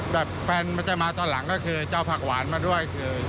แต่ตอนล่างแจกจ่ายมาก็คือแจอบผักหวานมาด้วย